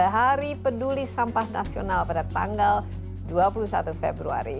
hari peduli sampah nasional pada tanggal dua puluh satu februari